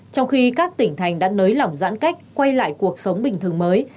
trong khi các tỉnh thành đã nới lỏng giãn cách quay lại cuộc sống bình thường mới